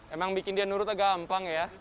emang bikin dia nurut agak gampang ya